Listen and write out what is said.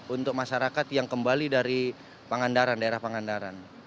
untuk masyarakat yang kembali dari pengandaran daerah pengandaran